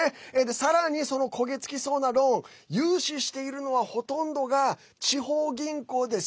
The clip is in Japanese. さらに、その焦げつきそうなローンを融資しているのはほとんどが地方銀行です。